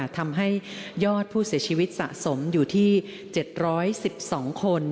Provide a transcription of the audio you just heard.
ทำให้ยอดผู้เสียชีวิตสะสมอยู่ที่๗๑๒คน